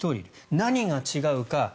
何が違うか。